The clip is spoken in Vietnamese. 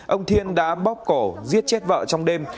ông thiên đã bóc cổ giết chết vợ trong đêm